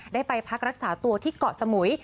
ได้ไปพักรักษาตัวที่เกาะสมุย